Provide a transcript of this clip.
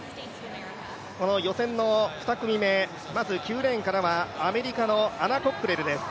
予選の２組目、まず９レーンからはアメリカのアナ・コックレルです。